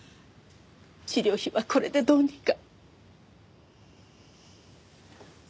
治療費はこれでどうにか！